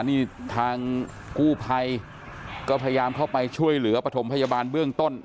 นี่ทางกู้ภัยก็พยายามเข้าไปช่วยเหลือปฐมพยาบาลเบื้องต้น